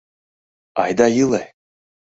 — Айда иле!